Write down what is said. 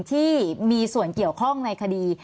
ที่มีส่วนเกี่ยวข้องในคดี